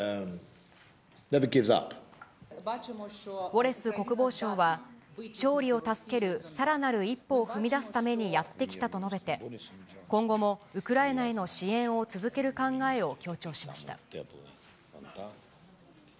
ウォレス国防相は、勝利を助けるさらなる一歩を踏み出すためにやってきたと述べて、今後もウクライナへの支援を続ける考えを強調しました。